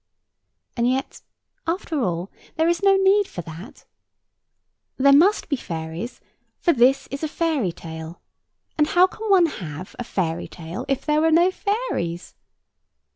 And yet, after all, there is no need for that. There must be fairies; for this is a fairy tale: and how can one have a fairy tale if there are no fairies?